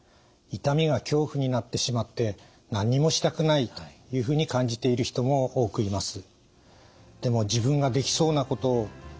痛みが恐怖になってしまって何にもしたくないというふうに感じている人も多くいます。